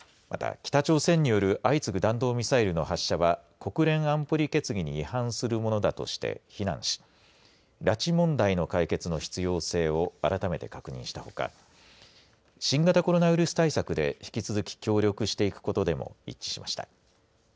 また、北朝鮮による相次ぐ弾道ミサイルの発射は国連安保理決議に違反するものだとして非難し拉致問題の解決の必要性を改めて確認したほか新型コロナウイルス対策で引き続き協力していくことでも一致しました。